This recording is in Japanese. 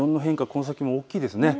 この先も大きいですね。